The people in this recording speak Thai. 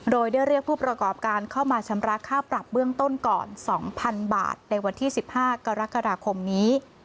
โดยได้เรียกผู้ประกอบการเข้ามาชำระค่าปรับเบื้องต้นก่อน๒๐๐๐บาทในวันที่๑๕กรกฎาคมนี้